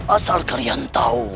asal kalian tahu